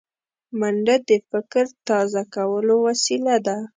منډه د فکر تازه کولو وسیله ده